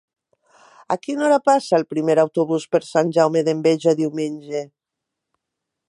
A quina hora passa el primer autobús per Sant Jaume d'Enveja diumenge?